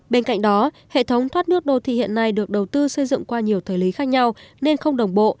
bên cạnh đó hệ thống thoát nước đô thị hiện nay được đầu tư xây dựng qua nhiều thời lý khác nhau nên không đồng bộ